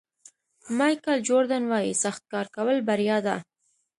مایکل جوردن وایي سخت کار کول بریا ده.